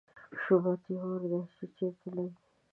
شومت یې اور دی، چې چېرته لګي